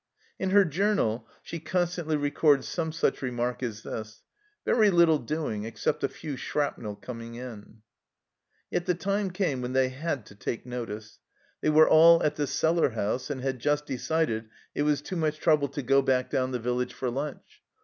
In her journal she constantly records some such remark as this :" Very little doing, except a few shrapnel coming in." Yet the time came when they had to take notice. They were all at the cellar house, and had just decided it was too much trouble to go back down THE END OF 1914 179 the village for lunch.